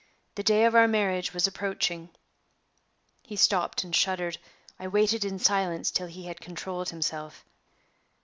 The day of our marriage was approaching." He stopped and shuddered. I waited in silence till he had controlled himself.